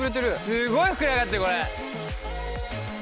すごい膨れ上がってるこれ。